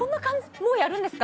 もうやるんですか？